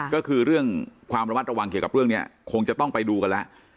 ก็คือเรื่องความระมัดระวังเกี่ยวกับเรื่องนี้คงจะต้องไปดูกันแล้ว